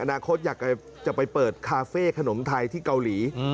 อนาคตอยากจะไปเปิดคาเฟ่ขนมไทยที่เกาหลี